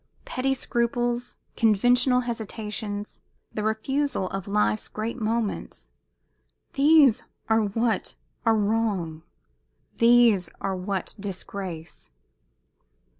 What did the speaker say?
Petty scruples, conventional hesitations, the refusal of life's great moments these are what are wrong, these are what disgrace!